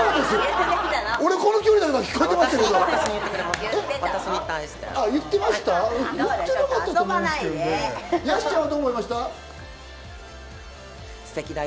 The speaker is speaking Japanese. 俺、この距離だから聞こえてますよ。